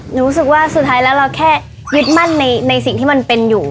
รู้สึกว่าสุดท้ายแล้วเราแค่ยึดมั่นในสิ่งที่มันเป็นอยู่